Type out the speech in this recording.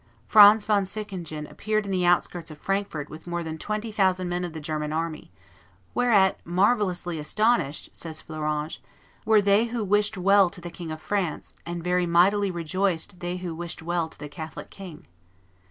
Franz von Sickingen appeared in the outskirts of Frankfort with more than twenty thousand men of the German army, "whereat marvellously astonished," says Fleuranges, "were they who wished well to the King of France and very mightily rejoiced they who wished well to the Catholic king."